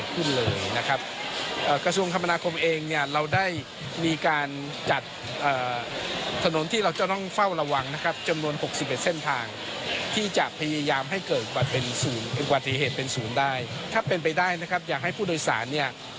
เป็นศูนย์ได้ถ้าเป็นไปได้นะครับอยากให้ผู้โดยสารเนี่ย